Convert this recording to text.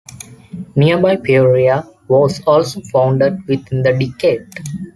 Nearby Peoria was also founded within the decade.